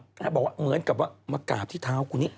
ก็บอกว่าเหมือนกับว่ามากราบที่เท้าคนนี้